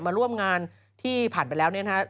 มาร่วมงานที่ผ่านไปแล้วเนี่ยนะครับ